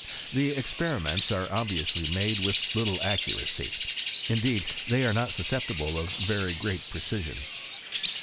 The experiments are obviourif made with little accuracy : indeed they are not susceptible of very great precision.